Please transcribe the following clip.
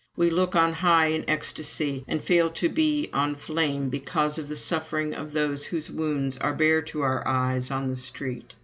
We look on high in ecstasy, and fail to be on flame because 'of the suffering of those whose wounds are bare to our eyes on the street.